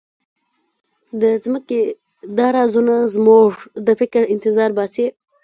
د ځمکې دا رازونه زموږ د فکر انتظار باسي.